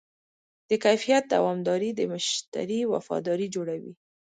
د کیفیت دوامداري د مشتری وفاداري جوړوي.